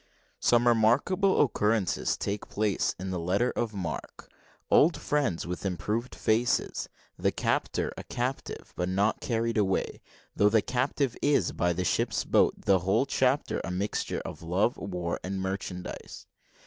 SOME REMARKABLE OCCURRENCES TAKE PLACE IN THE LETTER OF MARQUE OLD FRIENDS WITH IMPROVED FACES THE CAPTOR A CAPTIVE; BUT NOT CARRIED AWAY, THOUGH THE CAPTIVE IS, BY THE SHIP'S BOAT THE WHOLE CHAPTER A MIXTURE OF LOVE, WAR, AND MERCHANDISE.